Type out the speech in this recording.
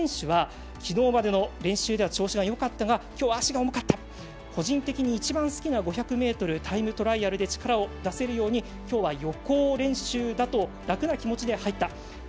藤井選手はきのうまでの練習では調子がよかったがきょうは足が重かった一番好きだった５００ｍタイムトライアルで力を出せるようにきょうは予行練習だと楽な気持ちで入った。